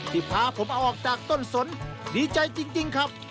พาผมเอาออกจากต้นสนดีใจจริงครับ